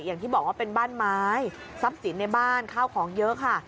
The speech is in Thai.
อย่างที่บอกว่าเป็นบ้านไม้ทรัพย์สินในบ้านข้าวของเยอะค่ะ